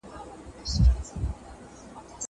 زه پرون سبزېجات تيار کړل.